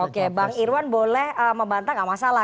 oke bang irwan boleh membantah nggak masalah